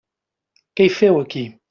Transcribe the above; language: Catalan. Què hi feu, aquí?